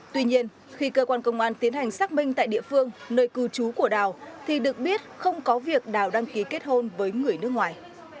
tuy nhiên khi cơ quan công an tiến hành xác minh tại địa phương nơi cư trú của đào thì được biết không có việc đào đăng ký kết hôn với người nước ngoài